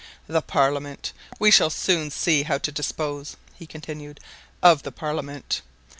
"The parliament! We shall soon see how to dispose," he continued, "of the parliament!